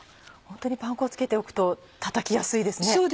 ホントにパン粉をつけておくと叩きやすいですね。